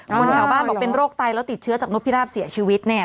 คนแถวบ้านบอกเป็นโรคไตแล้วติดเชื้อจากนกพิราบเสียชีวิตเนี่ย